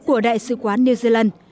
của đại sứ quán new zealand